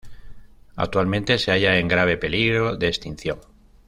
Actualmente se halla en grave peligro de extinción.